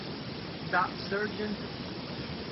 Da "Sgt.